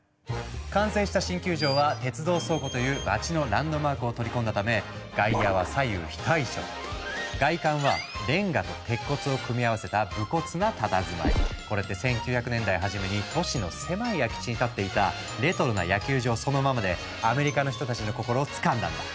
完成した新球場は鉄道倉庫という街のランドマークを取り込んだため外観はこれって１９００年代初めに都市の狭い空き地に立っていたレトロな野球場そのままでアメリカの人たちの心をつかんだんだ。